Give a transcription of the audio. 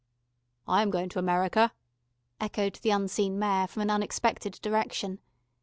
"I am going to America," echoed the unseen Mayor from an unexpected direction.